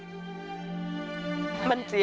มันไม่ใช่เรื่องของลูกเรา